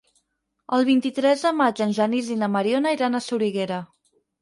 El vint-i-tres de maig en Genís i na Mariona iran a Soriguera.